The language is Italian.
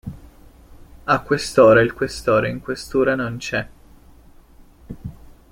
A quest'ora il questore in questura non c'è!